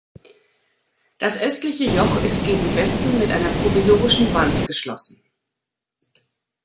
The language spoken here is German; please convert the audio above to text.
Das östliche Joch ist gegen Westen mit einer provisorischen Wand geschlossen.